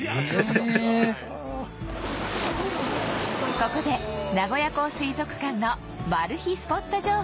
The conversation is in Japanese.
ここで名古屋港水族館のマル秘スポット情報